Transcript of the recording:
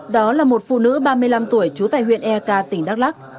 đó là một phụ nữ ba mươi năm tuổi trú tại huyện ek tỉnh đắk lắc